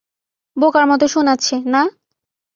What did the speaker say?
বোকার মত শুনাচ্ছে, না?